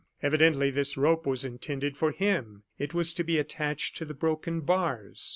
Evidently this rope was intended for him. It was to be attached to the broken bars.